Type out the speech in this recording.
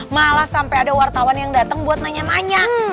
malah sampai ada wartawan yang datang buat nanya nanya